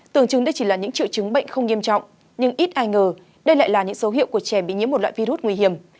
tưởng chứng đây chỉ là những triệu chứng bệnh không nghiêm trọng nhưng ít ai ngờ đây lại là những dấu hiệu của trẻ bị nhiễm một loại virus nguy hiểm